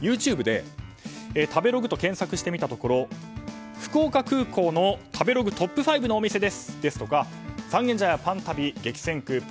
ＹｏｕＴｕｂｅで食べログと検索してみたところ福岡空港の食べログトップ５のお店ですとか三軒茶屋パン旅激戦区